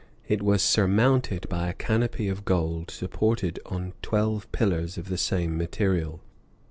It was surmounted by a canopy of gold, supported on twelve pillars of the same material.